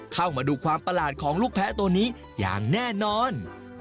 เข้ามาดูความประหลาดของลูกแพ้ตัวนี้อย่างแน่นอน